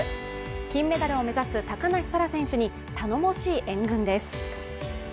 金メダルを目指す高梨沙羅選手に頼もしい援軍です。